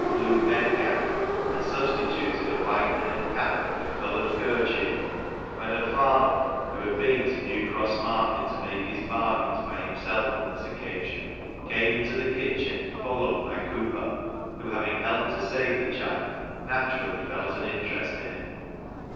blue bedgown,* and substituted a white linen cap for the coloured kerchief, when her father, who had been to New Cross Market to make his bargains by himself on this occasion, came into the kitchen, followed by Cooper, who having helped to save the child, naturally felt an interest in him.